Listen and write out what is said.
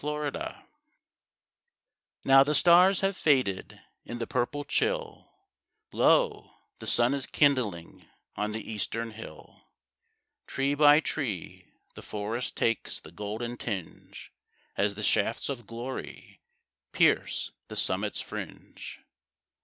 At Sunrise Now the stars have faded In the purple chill, Lo, the sun is kindling On the eastern hill. Tree by tree the forest Takes the golden tinge, As the shafts of glory Pierce the summit's fringe.